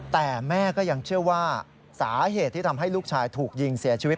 แต่แม่ก็ยังเชื่อว่าสาเหตุที่ทำให้ลูกชายถูกยิงเสียชีวิต